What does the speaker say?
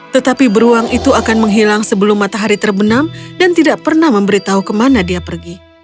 tetapi beruang itu akan menghilang sebelum matahari terbenam dan tidak pernah memberitahu kemana dia pergi